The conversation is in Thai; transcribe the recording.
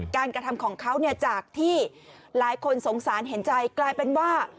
กระทำของเขาเนี่ยจากที่หลายคนสงสารเห็นใจกลายเป็นว่า